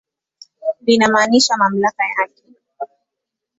Linamaanisha mamlaka yake.